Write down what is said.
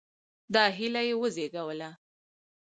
دا هیله یې وزېږوله.